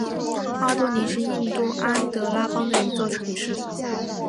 阿多尼是印度安得拉邦的一座城市。